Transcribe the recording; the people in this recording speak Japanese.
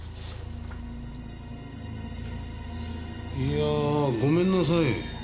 いやごめんなさい。